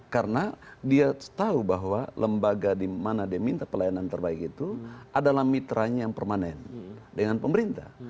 karena dia tahu bahwa lembaga di mana dia minta pelayanan terbaik itu adalah mitra nya yang permanen dengan pemerintah